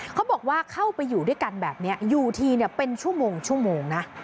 เขาบอกว่าเข้าไปอยู่ด้วยกันแบบนี้อยู่ทีเป็นชั่วโมงชั่วโมงนะ